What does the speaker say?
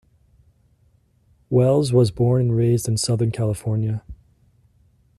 Welles was born and raised in Southern California.